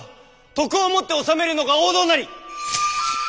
徳をもって治めるのが王道なり！